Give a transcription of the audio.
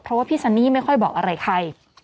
เพราะว่าพี่ซันนี่ไม่ค่อยบอกอะไรใคร